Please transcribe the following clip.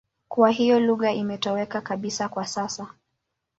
Kwa hiyo lugha imetoweka kabisa kwa sasa.